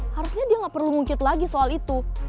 harusnya dia gak perlu ngungkit lagi soal itu